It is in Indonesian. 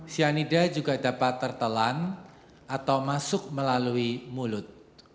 cyanida juga dapat tertelan atau masuk melalui mulut